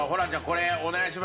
これお願いしますよ。